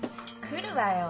来るわよ。